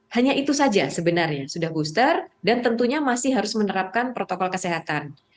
hanya itu saja sebenarnya sudah booster dan tentunya masih harus menerapkan protokol kesehatan